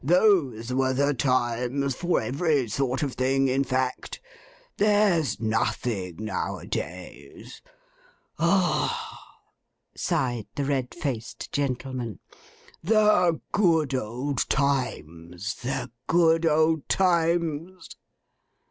Those were the times for every sort of thing, in fact. There's nothing now a days. Ah!' sighed the red faced gentleman. 'The good old times, the good old times!